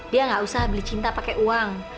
dia gak usah beli cinta pake uang